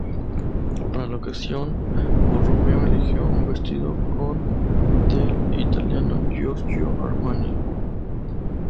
Para la ocasión, Borromeo eligió un vestido con del italiano Giorgio Armani.